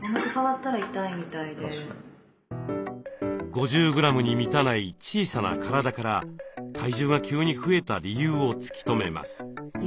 ５０グラムに満たない小さな体から体重が急に増えた理由を突き止めます。